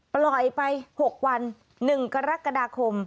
ปล่อยไป๖วัน๑กรกฎาคม